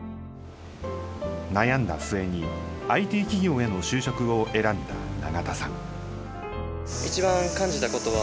悩んだ末にＩＴ企業への就職を選んだ永田さん。